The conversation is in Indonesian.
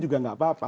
juga tidak apa apa